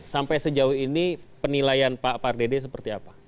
sampai sejauh ini penilaian pak pardede seperti apa